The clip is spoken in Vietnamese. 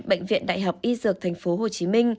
bệnh viện đại học ít dược tp hcm